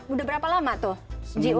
udah berapa lama tuh jiung ben